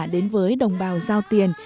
đến với đồng bào giao tiền